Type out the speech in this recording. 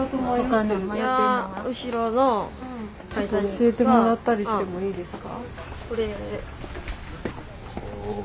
教えてもらったりしてもいいですか？